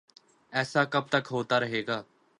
ایسا کب تک ہوتا رہے گا؟